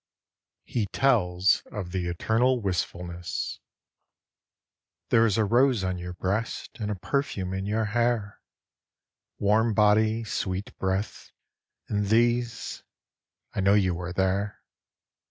49 He tells of the Eternal Wistfulness THERE is a rose on your breast And a perfume in your hair, Warm body, sweet breath, and these, I know you are there.